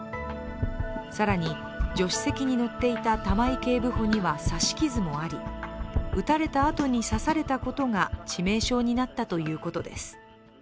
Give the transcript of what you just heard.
更に、助手席に乗っていた玉井警部補には刺し傷もあり撃たれたあとに刺されたことが致命傷になったということです。